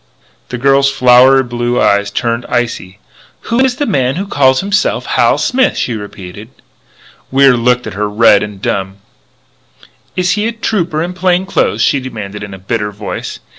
The girl's flower blue eyes turned icy: "Who is the man who calls himself Hal Smith?" she repeated. Wier looked at her, red and dumb. "Is he a Trooper in plain clothes?" she demanded in a bitter voice.